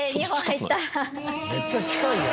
めっちゃ近いやん。